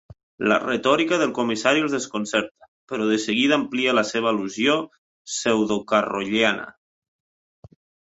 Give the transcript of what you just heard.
La retòrica del comissari els desconcerta, però de seguida amplia la seva al·lusió pseudocarrolliana.